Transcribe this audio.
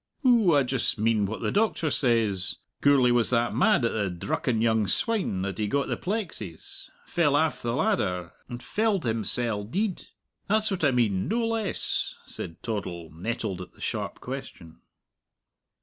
Ou, I just mean what the doctor says! Gourlay was that mad at the drucken young swine that he got the 'plexies, fell aff the ladder, and felled himsell deid! That's what I mean, no less!" said Toddle, nettled at the sharp question.